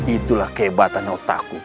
itulah kebatan otakku